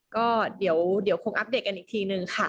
ก็เดี๋ยวคงอัปเดตกันอีกทีนึงค่ะ